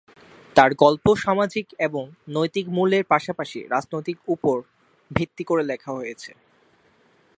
তার গল্প সামাজিক এবং নৈতিক মূল্যের পাশাপাশি রাজনৈতিক উপর ভিত্তি করে লিখা হয়েছে।